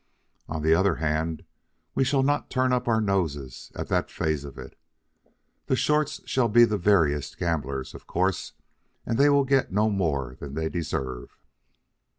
On the other hand, we shall not turn up our noses at that phase of it. The shorts shall be the veriest gamblers, of course, and they will get no more than they deserve."